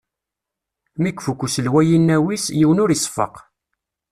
Mi ifukk uselway inaw-is, yiwen ur iseffeq.